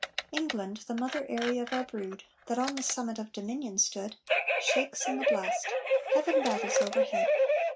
England, the mother eyrie of our brood, That on the summit of dominion stood, Shakes in the blast: heaven battles overhead!